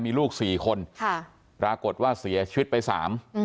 มีลูกสี่คนค่ะปรากฏว่าเสียชีวิตไปสาม